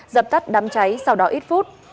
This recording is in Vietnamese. dập tắt đám cháy sau đó ít phút